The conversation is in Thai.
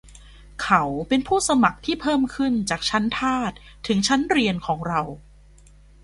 เขาเป็นผู้สมัครที่เพิ่มขึ้นจากชั้นทาสถึงชั้นเรียนของเรา